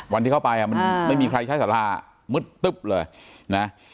วันที่เข้าไปมันไม่มีใครใช้สารามืดตึ๊บเลยนะ